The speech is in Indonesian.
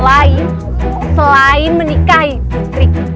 lain selain menikahi tidak tidak tidak